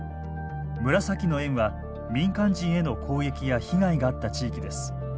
紫の円は民間人への攻撃や被害があった地域です。